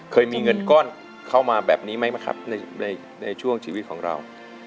เคยมีเงินก้อนเข้ามาแบบนี้ไหมครับในช่วงชีวิตของเรา